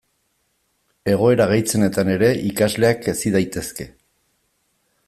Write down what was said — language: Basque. Egoera gaitzenetan ere ikasleak hezi daitezke.